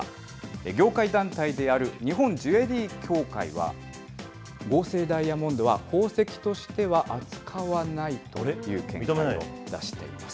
業界団体である日本ジュエリー協会は、合成ダイヤモンドは宝石としては扱わないという見解を出しています。